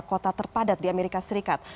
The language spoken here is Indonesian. kota terpadat di amerika serikat